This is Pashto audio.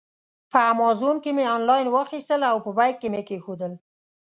په امازان کې مې آنلاین واخیستل او په بیک کې مې کېښودل.